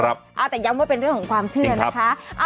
แต่ย้ำว่าเป็นเรื่องของความเชื่อนะคะ